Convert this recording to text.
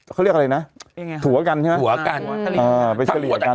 เขาเรียกอะไรน่ะยังไงถุะกันใช่ไหมถุะกันอ่าไปเสรียกัน